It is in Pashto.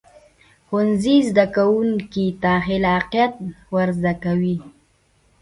ښوونځی زده کوونکو ته خلاقیت ورزده کوي